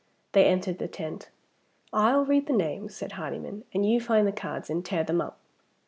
They entered the tent. "I'll read the names," said Hardyman, "and you find the cards and tear them up.